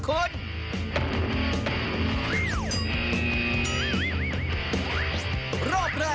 โอ้โฮพิษทางขนาดนี้ก็หาบอลไม่เจอหรอกครับพระคุณ